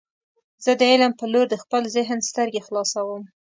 زه د علم په لور د خپل ذهن سترګې خلاصوم.